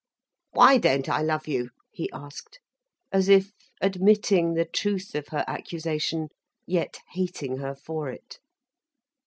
"Why don't I love you?" he asked, as if admitting the truth of her accusation, yet hating her for it.